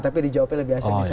tapi dijawabnya lebih asik bisa